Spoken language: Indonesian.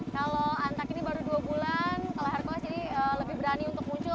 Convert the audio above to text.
kalau antak ini baru dua bulan kalau hercules ini lebih berani untuk muncul